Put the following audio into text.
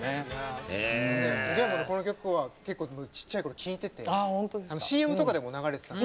おげんもねこの曲は結構ちっちゃい頃聴いててＣＭとかでも流れてたの。